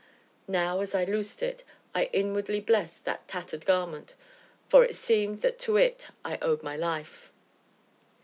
Now, as I loosed it, I inwardly blessed that tattered garment, for it seemed that to it I owed my life.